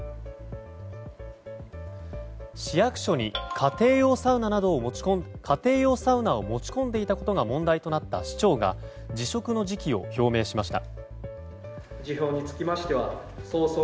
市役所に家庭用サウナを持ち込んでいたことが問題となった市長が辞職の時期を表明しました。